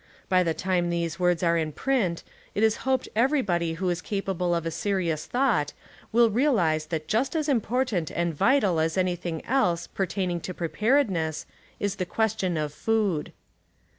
By the time these words are in print, it is hoped every body who is capable of a serious thought will realize that just as important and vital as anything else joertaining to preparedness is the question of food.